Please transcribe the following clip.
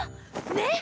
ねっ？